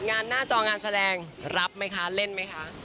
งานหน้าจองานแสดงรับไหมคะเล่นไหมคะ